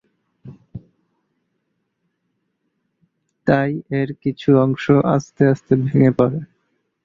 তাই এর কিছু অংশ আস্তে আস্তে ভেঙে পড়ে।